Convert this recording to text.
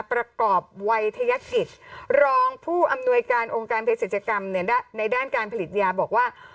ประกอบวัยทยกิจรองผู้อำนวยการองค์การเพศรัชกรรมในด้านการผลิตยาบอกว่า